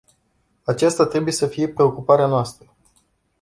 Aceasta trebuie să fie preocuparea noastră.